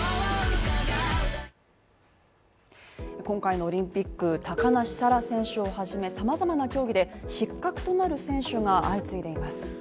今回のオリンピック、高梨沙羅選手をはじめさまざまな競技で失格となる選手が相次いでいます。